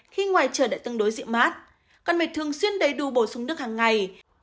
khi ngoài trời đã tương đối dịu mát cần phải thường xuyên đầy đủ bổ sung nước hàng ngày